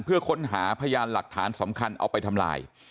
เพื่อค้นหาพยานหลักฐานสำคัญเอาไปทำลาย